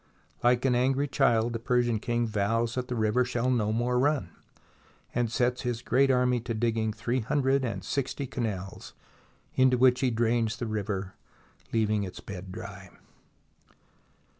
Like an angry child, the Persian king vows that the river shall no more run, and sets his great army to digging three hundred and sixty canals into which he drains the river, leaving its bed dry.